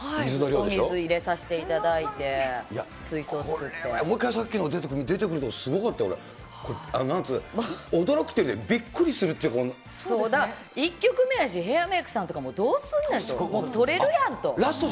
お水入れさせていただいて、これはさっきのもう一回、出てくるとき、すごかったよ、これ、驚くっていうよりびっくりだから、１曲目やし、ヘアメークさんとかもどうすんのやと、もう、取れるやんと。